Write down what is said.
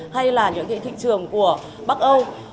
hay là những thị trường của bắc âu